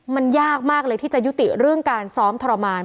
มันยากมากเลยที่จะยุติเรื่องการซ้อมทรมาน